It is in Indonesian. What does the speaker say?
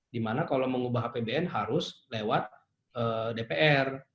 dimana kalau mengubah apbn harus lewat dpr